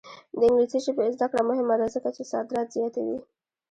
د انګلیسي ژبې زده کړه مهمه ده ځکه چې صادرات زیاتوي.